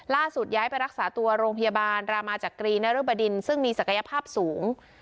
ย้ายไปรักษาตัวโรงพยาบาลรามาจากกรีนรบดินซึ่งมีศักยภาพสูง